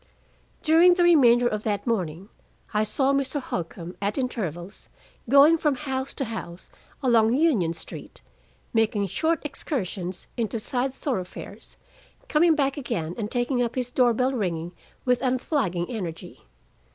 During the remainder of that morning I saw Mr. Holcombe, at intervals, going from house to house along Union Street, making short excursions into side thoroughfares, coming back again and taking up his door bell ringing with unflagging energy.